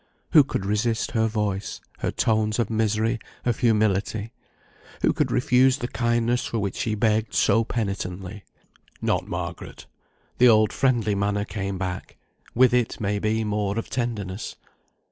Who could resist her voice, her tones of misery, of humility? Who would refuse the kindness for which she begged so penitently? Not Margaret. The old friendly manner came back. With it, may be, more of tenderness.